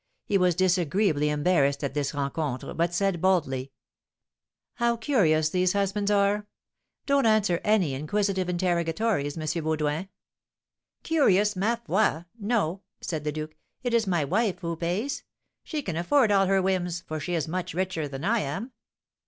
He was disagreeably embarrassed at this rencontre, but said, boldly: "How curious these husbands are! don't answer any inquisitive interrogatories, M. Baudoin." "Curious; ma foi! no," said the duke; "it is my wife who pays. She can afford all her whims, for she is much richer than I am."